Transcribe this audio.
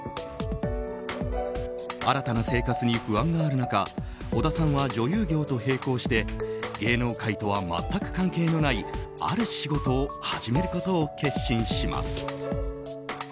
新たな生活に不安がある中小田さんは女優業と並行して芸能界とは全く関係のないある仕事を始めることを決心します。